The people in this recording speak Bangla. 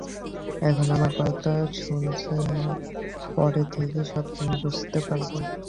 এখন আমার কথা শুনছো না, পরে ঠিকই সবকিছু বুঝতে পারবে।